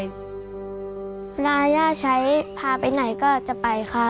เวลาย่าใช้พาไปไหนก็จะไปค่ะ